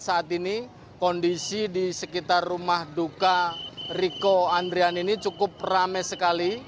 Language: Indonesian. saat ini kondisi di sekitar rumah duka riko andrian ini cukup ramai sekali